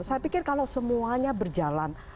saya pikir kalau semuanya berjalan